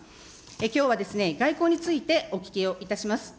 きょうはですね、外交についてお聞きをいたします。